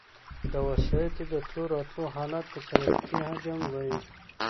د وسایطو د تلو راتلو حالت ته ترافیکي حجم وایي